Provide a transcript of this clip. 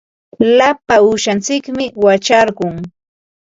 Lapa uushantsikmi wacharqun.